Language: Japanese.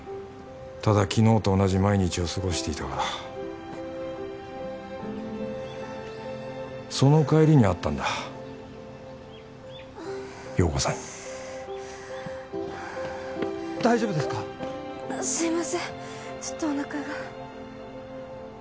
ただ昨日と同じ毎日を過ごしていたからその帰りに会ったんだ陽子さんに大丈夫ですか！？すいませんちょっとおなかが